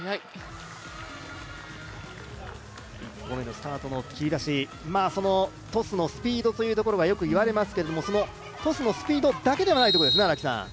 スタートの切り出しトスのスピードというところはよく言われますけれども、トスのスピードだけではないといころですね。